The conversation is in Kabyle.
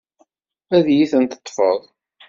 Ad iyi-teṭṭefeḍ?